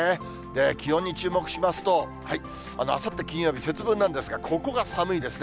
気温に注目しますと、あさって金曜日、節分なんですが、ここは寒いですね。